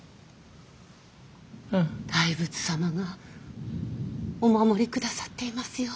大仏様がお守りくださっていますよ。